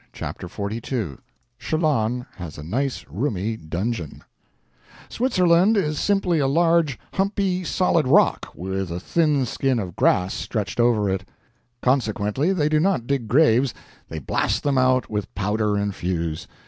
CHAPTER XLII [Chillon has a Nice, Roomy Dungeon] Switzerland is simply a large, humpy, solid rock, with a thin skin of grass stretched over it. Consequently, they do not dig graves, they blast them out with powder and fuse.